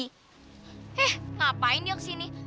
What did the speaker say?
hih ngapain dia kesini